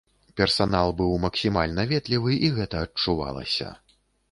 Персанал быў максімальна ветлівы і гэта адчувалася.